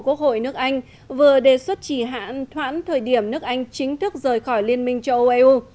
quốc hội nước anh vừa đề xuất chỉ hoãn thời điểm nước anh chính thức rời khỏi liên minh châu âu eu